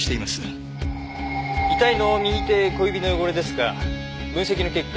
遺体の右手小指の汚れですが分析の結果